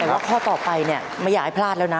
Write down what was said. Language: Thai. แต่ว่าข้อต่อไปเนี่ยไม่อยากให้พลาดแล้วนะ